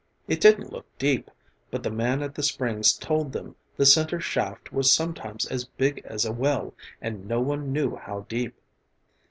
It didn't look deep, but the man at the springs told them the center shaft was sometimes as big as a well and no one knew how deep.